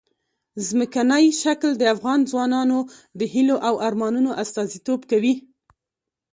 ځمکنی شکل د افغان ځوانانو د هیلو او ارمانونو استازیتوب کوي.